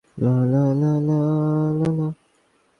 সারা সপ্তাহ জুড়ে ব্যালে নর্তকীদের মতে তো তুই নাচিস নি।